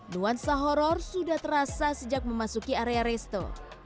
nuansa horror sudah terasa sejak memasuki area resto